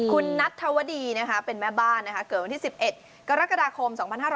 คุณนัทธวดีเป็นแม่บ้านเกิดวันที่๑๑กรกฎาคม๒๕๕๙